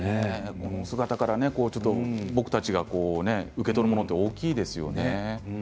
このお姿から僕たち受け取るものは大きいですよね。